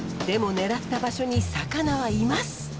でも狙った場所に魚はいます。